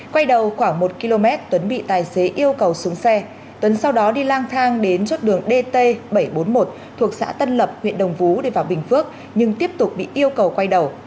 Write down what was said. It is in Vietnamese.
quay đầu khoảng một km tuấn bị tài xế yêu cầu xuống xe tuấn sau đó đi lang thang đến chốt đường dt bảy trăm bốn mươi một thuộc xã tân lập huyện đồng phú đi vào bình phước nhưng tiếp tục bị yêu cầu quay đầu